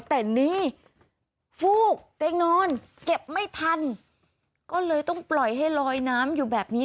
แต่นี่ฟูกเตียงนอนเก็บไม่ทันก็เลยต้องปล่อยให้ลอยน้ำอยู่แบบนี้